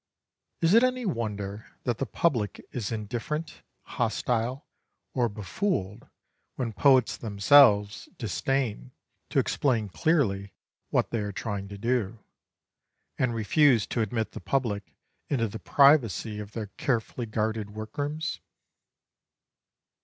Is it any wonder that the public is indifferent, hostile, or befooled when poets themselves disdain to explain clearly what they are trying to do, and refuse to admit the public into the privacy of their carefully guarded workrooms?